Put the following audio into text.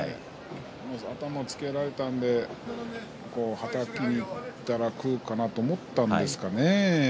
まず頭をつけられたのではたきにいったら食うかなと思ったんですかね。